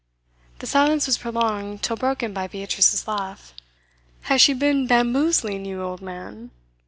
The silence was prolonged till broken by Beatrice's laugh. 'Has she been bamboozling you, old man?